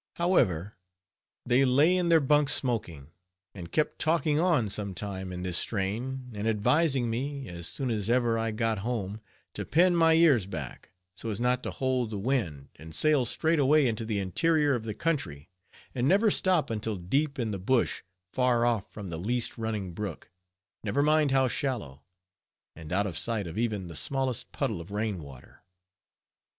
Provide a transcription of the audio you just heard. However, they lay in their bunks smoking, and kept talking on some time in this strain, and advising me as soon as ever I got home to pin my ears back, so as not to hold the wind, and sail straight away into the interior of the country, and never stop until deep in the bush, far off from the least running brook, never mind how shallow, and out of sight of even the smallest puddle of rainwater.